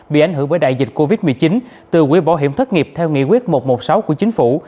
bị ảnh hưởng bởi đại dịch covid một mươi chín từ quỹ bảo hiểm thất nghiệp theo nghị quyết một trăm một mươi sáu của chính phủ